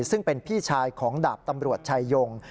ซึ่งเป็นพี่ชายของดาบตำรวจชายง